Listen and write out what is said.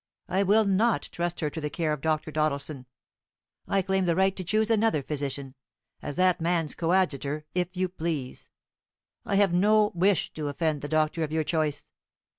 I will not trust her to the care of Dr. Doddleson; I claim the right to choose another physician as that man's coadjutor, if you please. I have no wish to offend the doctor of your choice."